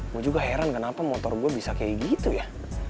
gue juga heran kenapa motor gue bisa kayak gitu ya